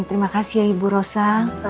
terima kasih ya ibu rosa